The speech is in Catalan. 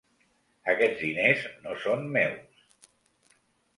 Aquests diners no són meus!